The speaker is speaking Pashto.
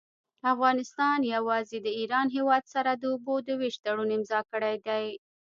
افغانستان يوازي د ايران هيواد سره د اوبو د ويش تړون امضأ کړي دي.